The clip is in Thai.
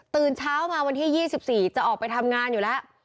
ตื่นเช้ามาวันที่๒๔จะออกไปทำงานอยู่แล้ว